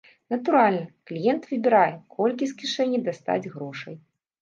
Натуральна, кліент выбірае, колькі з кішэні дастаць грошай.